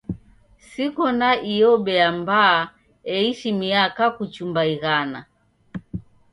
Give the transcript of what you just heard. Siko na iyo bea mbaa eishi miaka kuchumba ighana.